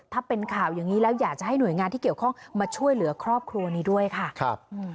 ถ้าเป็นข่าวอย่างนี้แล้วอยากจะให้หน่วยงานที่เกี่ยวข้องมาช่วยเหลือครอบครัวนี้ด้วยค่ะครับ